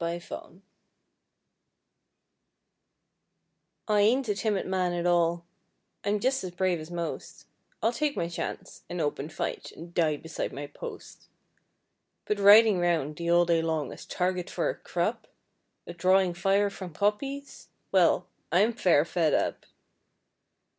Fed Up I ain't a timid man at all, I'm just as brave as most, I'll take my chance in open fight and die beside my post; But riding round the 'ole day long as target for a Krupp, A drawing fire from Koppies well, I'm fair fed up.